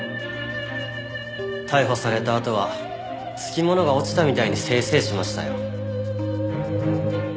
逮捕されたあとはつき物が落ちたみたいにせいせいしましたよ。